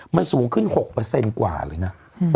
มันสูงขึ้น๖กว่าเลยนะ